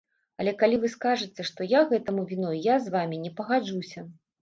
Але калі вы скажаце, што я гэтаму віной, я з вамі не пагаджуся.